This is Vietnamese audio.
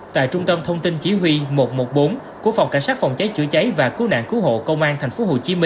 tại trung tâm thông tin chỉ huy một trăm một mươi bốn của phòng cảnh sát phòng cháy chữa cháy và cứu nạn cứu hộ công an tp hcm